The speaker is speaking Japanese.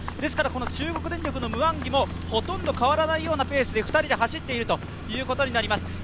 中国電力のムワンギもほとんど変わらないペースで２人で走っているということになります。